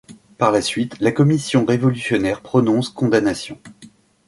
Par la suite, la commission révolutionnaire prononce condamnations.